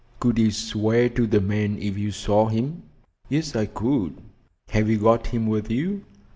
"Could you swear to the man if you saw him?" "Yes, I could. Have you got him with you?"